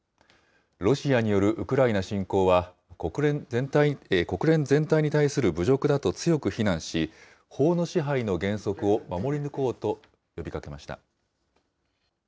ロシアによるウクライナ侵攻は、国連全体に対する侮辱だと強く非難し、法の支配の原則を守り抜こうと呼びかけました。